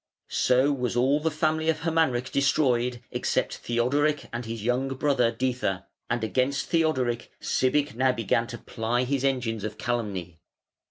So was all the family of Hermanric destroyed except Theodoric and his young brother Diether: and against Theodoric Sibich now began to ply his engines of calumny.